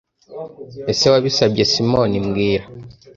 Ese Wabisabye Simoni mbwira